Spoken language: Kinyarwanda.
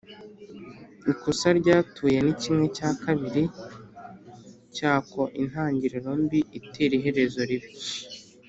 ikosa ryatuye ni kimwe cya kabiri cyakointangiriro mbi itera iherezo ribi.